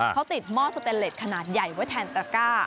เขาติดหม้อสเตนเล็ตขนาดใหญ่ไว้แทนตระก้า